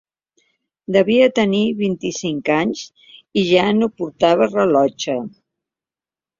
Devia tenir vint-i-cinc anys i ja no portava rellotge.